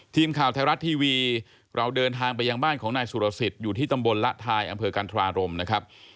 ทีมข่าวไทยรัฐทีวีเราเดินทางไปยังบ้านของนายสุรสิทธิ์อยู่ที่ตำบลละทายอำเภอกันทรารมนะครับ